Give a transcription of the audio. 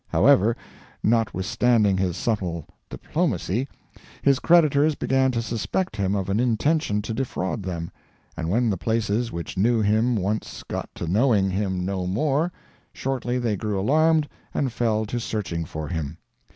However, notwithstanding his subtle diplomacy, his creditors began to suspect him of an intention to defraud them, and when the places which knew him once got to knowing him no more, shortly they grew alarmed and fell to searching for him.